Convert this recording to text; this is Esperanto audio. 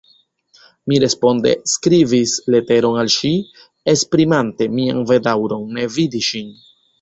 Mi responde skribis leteron al ŝi, esprimante mian bedaŭron ne vidi ŝin.